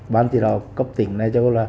ban chỉ đạo cấp tỉnh lai châu